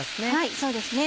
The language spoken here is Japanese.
そうですね